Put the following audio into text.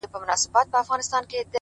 ماته يې په نيمه شپه ژړلي دي-